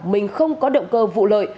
mình không có động cơ vụ lợi